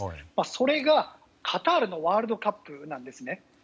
それが、カタールのワールドカップなんですね。